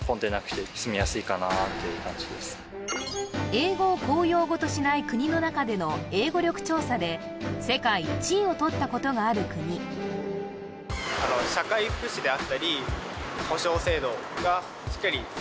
英語を公用語としない国の中での英語力調査で世界１位をとったことがある国のではないかなと思うからです